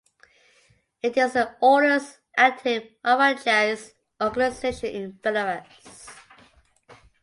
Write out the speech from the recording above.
It is the oldest active anarchist organization in Belarus.